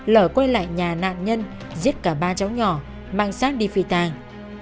lở quay lại nhà nạn nhân giết cả ba cháu nhỏ mang sát đi phi tàng